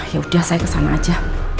yaudah saya kesana aja